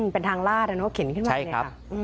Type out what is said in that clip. เป็นทางลาดอ่ะเนอะเข็นขึ้นมาใช่ครับ